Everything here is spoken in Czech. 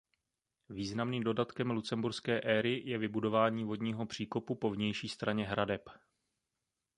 Významným dodatkem lucemburské éry je vybudování vodního příkopu po vnější straně hradeb.